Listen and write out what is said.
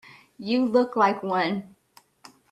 You look like one.